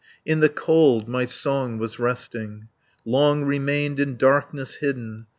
In the cold my song was resting, Long remained in darkness hidden.